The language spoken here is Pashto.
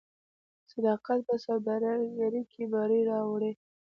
صداقت په سوداګرۍ کې بری راوړي.